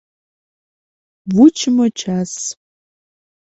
Вучымо час.